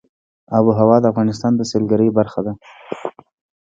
آب وهوا د افغانستان د سیلګرۍ برخه ده.